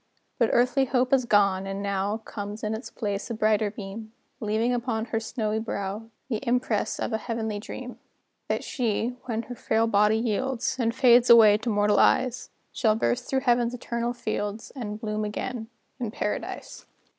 But earthly hope is gone; and now Comes in its place a brighter beam, Leaving upon her snowy brow The impress of a heavenly dream: That she, when her frail body yields, And fades away to mortal eyes, Shall burst through Heaven's eternal fields, And bloom again in Paradise.